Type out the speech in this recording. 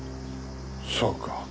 そうか。